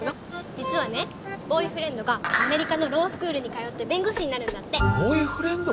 実はねボーイフレンドがアメリカのロースクールに通って弁護士になるんだってボーイフレンド！？